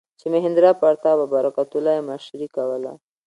چې مهیندراپراتاپ او برکت الله یې مشري کوله.